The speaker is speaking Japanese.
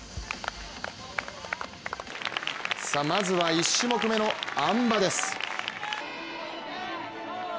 まずは１種目めのあん馬です。